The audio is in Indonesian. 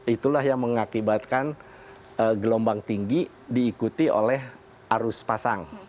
itulah yang mengakibatkan gelombang tinggi diikuti oleh arus pasang